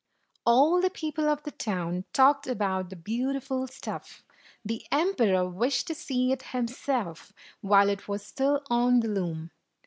All the people in the town talked of the beau 121 » 122 tiful stuff. The emperor wished to see it him self, while it was still on the loom.